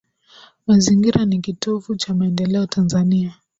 Mazingira ni Kitovu Cha Maendeleo Tanzania